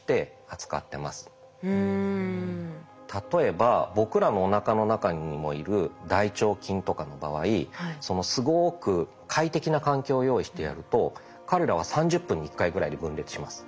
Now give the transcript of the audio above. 例えば僕らのおなかの中にもいる大腸菌とかの場合すごく快適な環境を用意してやると彼らは３０分に１回ぐらいで分裂します。